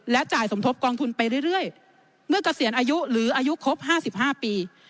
จ่ายสมทบกองทุนไปเรื่อยเมื่อเกษียณอายุหรืออายุครบ๕๕ปี